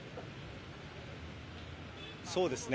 そうですね。